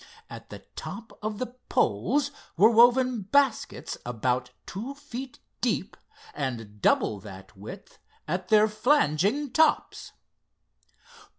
At the top of the poles were woven baskets about two feet deep and double that width at their flanging tops.